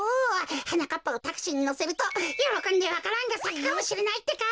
はなかっぱをタクシーにのせるとよろこんでわか蘭がさくかもしれないってか！